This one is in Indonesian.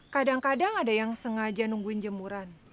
kadang kadang ada yang sengaja nungguin jemuran